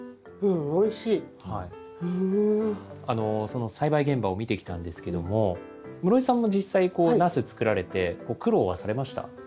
その栽培現場を見てきたんですけども室井さんも実際こうナス作られて苦労はされました？